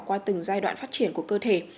qua từng giai đoạn phát triển của cơ thể